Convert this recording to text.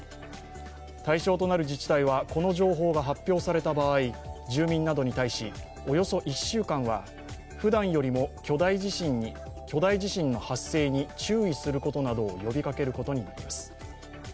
対象となる自治体はこの情報が発表された場合、住民などに対し、およそ１週間はふだんよりも巨大地震の発生に注意することなどを呼びかけることになります。